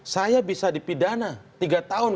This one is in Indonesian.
saya bisa dipidana tiga tahun